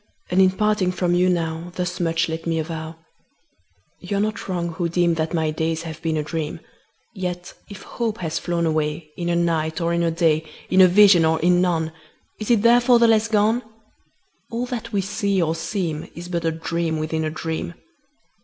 And, in parting from you now, Thus much let me avow You are not wrong, who deem That my days have been a dream: Yet if hope has flown away In a night, or in a day, In a vision or in none, Is it therefore the less gone? All that we see or seem Is but a dream within a dream.